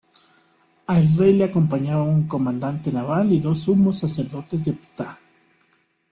Al rey le acompañaba un comandante naval y dos sumos sacerdotes de Ptah.